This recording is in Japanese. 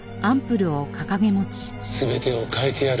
全てを変えてやる。